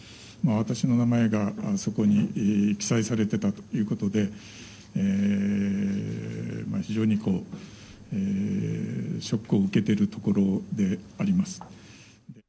私の名前がそこに記載されてたということで、非常にこう、ショックを受けているところであります。